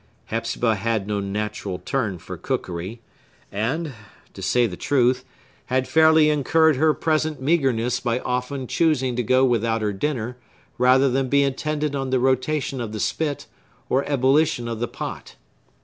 Hepzibah had no natural turn for cookery, and, to say the truth, had fairly incurred her present meagreness by often choosing to go without her dinner rather than be attendant on the rotation of the spit, or ebullition of the pot.